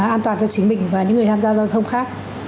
an toàn cho chính mình và những người tham gia giao thông khác